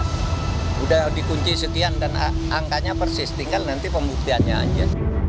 sudah dikunci sekian dan angkanya persis tinggal nanti pembuktiannya aja